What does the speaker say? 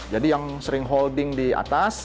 jadi yang sering holding di atas